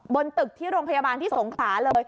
บนตึกที่โรงพยาบาลที่สงขลาเลย